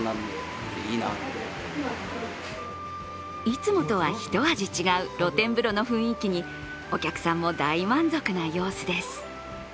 いつもとは一味違う露天風呂の雰囲気にお客さんも大満足な様子です。